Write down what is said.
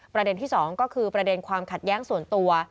ประเด็นที่๒ก็คือประเด็นความขัดแย้งส่วนตัว